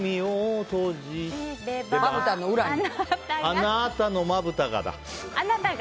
あなたのまぶたが、だ。